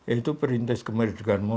itu perintis kemerdekaanmu